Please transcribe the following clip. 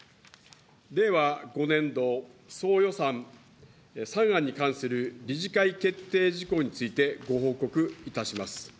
令和５年度総予算３案に関する理事会決定事項についてご報告いたします。